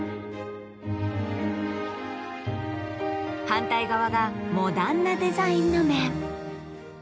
反対側がモダンなデザインの面。